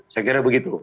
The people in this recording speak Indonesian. saya kira begitu